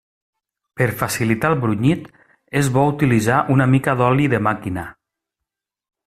Per facilitar el brunyit, és bo utilitzar una mica d'oli de màquina.